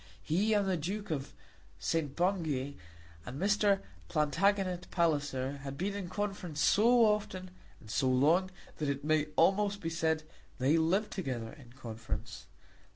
He and the Duke of St. Bungay, and Mr. Plantagenet Palliser, had been in conference so often, and so long, that it may almost be said they lived together in conference.